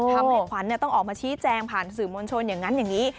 ทำให้ขวัญต้องออกมาชี้แจงผ่านสื่อมวลชนอย่างนั้นอย่างนี้